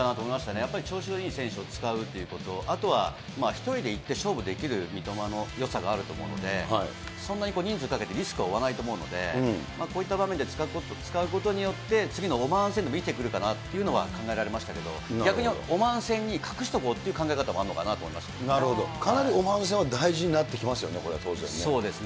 やっぱり調子のいい選手を使うということ、あとは１人でいって勝負できる三笘のよさがあると思うので、そんなに人数かけてリスクは負わないと思うので、こういった場面で使うことによって、次のオマーン戦でもいきてくるかな考えられましたけど、逆にオマーン戦に隠しとこうっていう考え方もあるのかなと思いまなるほど、かなりオマーン戦は大事になってきますよね、これは当然ね。